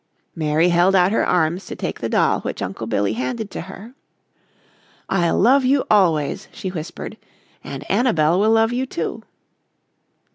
Mary held out her arms to take the doll which Uncle Billy handed to her. "I'll love you always," she whispered, "and Annabel will love you too."